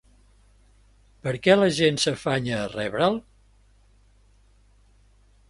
Per què la gent s'afanya a rebre'l?